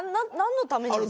何のため？